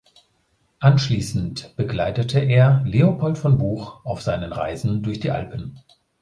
Anschließend begleitete er Leopold von Buch auf seinen Reisen durch die Alpen.